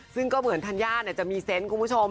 ซึ่งก็เหมือนธัญญาจะมีเซนต์คุณผู้ชม